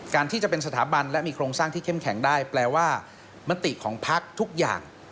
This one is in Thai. การที่จะเป็นสถาบันและมีโครงสร้างที่เข้มแข็งได้แปลว่ามติของพักทุกอย่าง